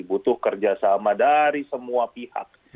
butuh kerjasama dari semua pihak